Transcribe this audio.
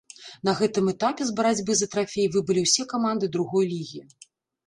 На гэтым этапе з барацьбы за трафей выбылі ўсе каманды другой лігі.